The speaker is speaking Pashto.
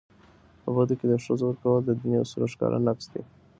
په بدو کي د ښځو ورکول د دیني اصولو ښکاره نقض دی.